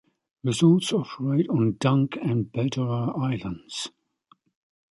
Resorts operate on Dunk and Bedarra Islands.